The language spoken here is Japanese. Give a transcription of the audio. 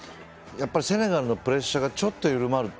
セネガルのプレッシャーがちょっと緩まると